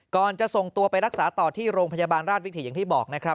จะส่งตัวไปรักษาต่อที่โรงพยาบาลราชวิถีอย่างที่บอกนะครับ